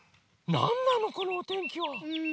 なんなのこのおてんきは⁉うん。